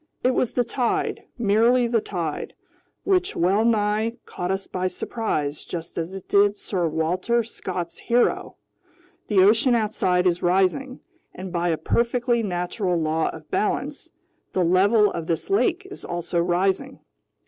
"It was the tide, merely the tide, which wellnigh caught us by surprise just as it did Sir Walter Scott's hero! The ocean outside is rising, and by a perfectly natural law of balance, the level of this lake is also rising.